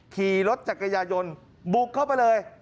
ขี่รถจักรยายนบุกเข้าไปเลย